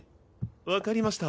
わかりました。